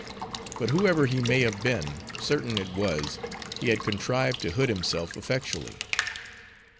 But whoever he may have been, certain it was, he had contrived to hood himself effectually.